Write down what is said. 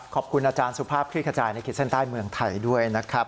ขอบคุณอาจารย์สุภาพคลิกขจายในขีดเส้นใต้เมืองไทยด้วยนะครับ